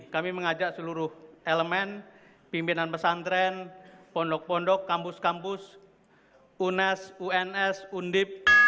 kami mengajak seluruh elemen pimpinan pesantren pondok pondok kampus kampus unes uns undip